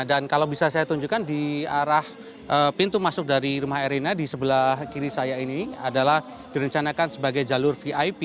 kalau bisa saya tunjukkan di arah pintu masuk dari rumah erina di sebelah kiri saya ini adalah direncanakan sebagai jalur vip